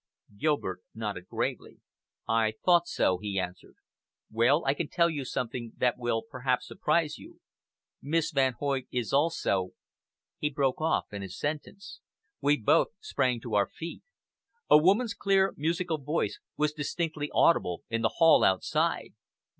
Gilbert nodded gravely. "I thought so," he answered. "Well, I can tell you something that will perhaps surprise you. Miss Van Hoyt is also " He broke off in his sentence. We both sprang to our feet. A woman's clear musical voice was distinctly audible in the hall outside.